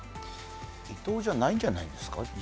イトウじゃないんじゃないですか。